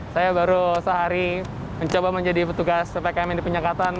saya baru sehari mencoba menjadi petugas cpkm yang dipenyekatan